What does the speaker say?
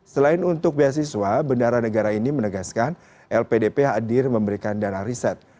selain untuk beasiswa bendara negara ini menegaskan lpdp hadir memberikan dana riset